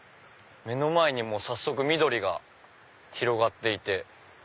目の前にも早速緑が広がっていて。